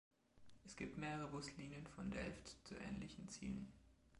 Es gibt mehrere Buslinien von Delft zu ähnlichen Zielen.